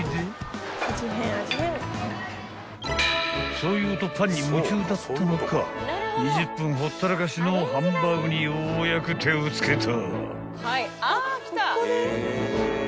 ［そういうとパンに夢中だったのか２０分ほったらかしのハンバーグにようやく手を付けた］